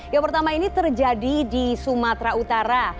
yang pertama ini terjadi di sumatera utara